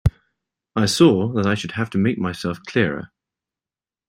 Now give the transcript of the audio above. I saw that I should have to make myself clearer.